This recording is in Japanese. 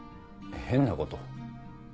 変なこと？